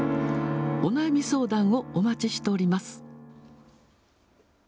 お悩み相談をお待ちしております。